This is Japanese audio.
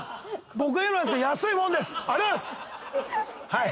はい！